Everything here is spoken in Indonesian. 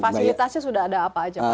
fasilitasnya sudah ada apa aja pak